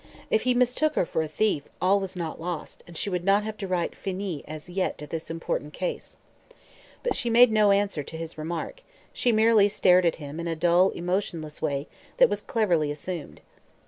If he mistook her for a thief all was not lost and she would not have to write "finis" as yet to this important case. But she made no answer to his remark; she merely stared at him in a dull, emotionless way that was cleverly assumed.